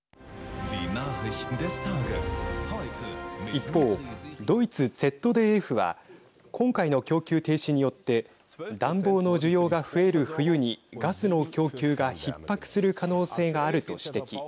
一方、ドイツＺＤＦは今回の供給停止によって暖房の需要が増える冬にガスの供給がひっ迫する可能性があると指摘。